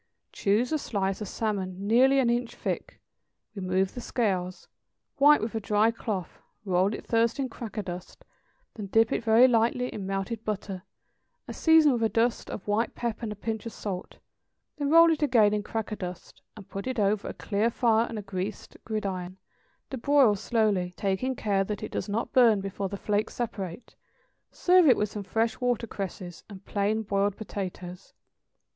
= Choose a slice of salmon nearly an inch thick, remove the scales, wipe with a dry cloth, roll it first in cracker dust, then dip it very lightly in melted butter, and season with a dust of white pepper and a pinch of salt; then roll it again in cracker dust, and put it over a clear fire on a greased gridiron, to broil slowly, taking care that it does not burn before the flakes separate; serve it with some fresh watercresses and plain boiled potatoes.